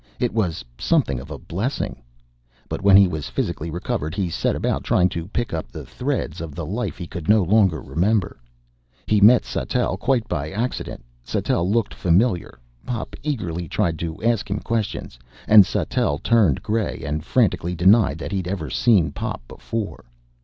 It was something of a blessing. But when he was physically recovered he set about trying to pick up the threads of the life he could no longer remember. He met Sattell quite by accident. Sattell looked familiar. Pop eagerly tried to ask him questions. And Sattell turned gray and frantically denied that he'd ever seen Pop before.